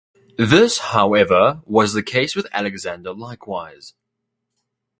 This, however, was the case with Alexander likewise.